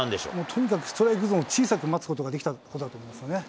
とにかくストライクゾーンを小さく待つことができたことだと思いますね。